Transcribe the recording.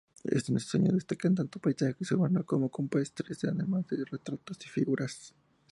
En estos años destacan tanto paisajes urbanos como campestres, además de retratos y figuras.